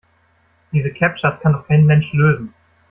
Diese Captchas kann doch kein Mensch lösen!